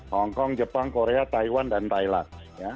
hong kong jepang korea taiwan dan thailand